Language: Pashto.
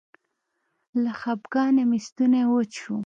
له خپګانه مې ستونی وچ شو.